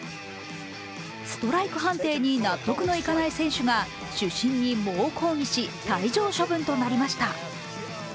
ストライク判定に納得のいかない選手が主審に猛抗議し、退場処分となりました。